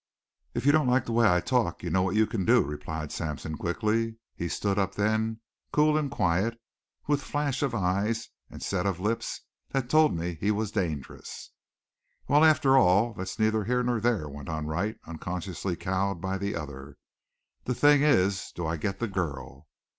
"If you don't like the way I talk you know what you can do," replied Sampson quickly. He stood up then, cool and quiet, with flash of eyes and set of lips that told me he was dangerous. "Well, after all, that's neither here nor there," went on Wright, unconsciously cowed by the other. "The thing is, do I get the girl?"